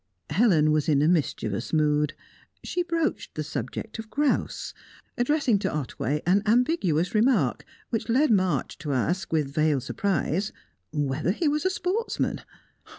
Helen was in a mischievous mood. She broached the subject of grouse, addressing to Otway an ambiguous remark which led March to ask, with veiled surprise, whether he was a sportsman.